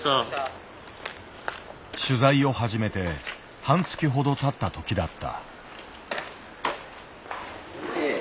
取材を始めて半月ほどたった時だった。